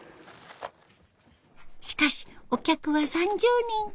しかしお客は３０人。